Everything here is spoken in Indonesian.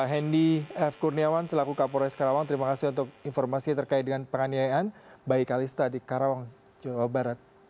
hendi f kurniawan selaku kapolres karawang terima kasih untuk informasi terkait dengan penganiayaan bayi kalista di karawang jawa barat